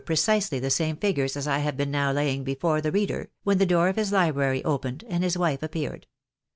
17 precisely the same figures as I have been now laying before the reader, when the door of his library opened and his wife appeared.